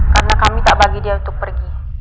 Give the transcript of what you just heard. karena kami tak bagi dia untuk pergi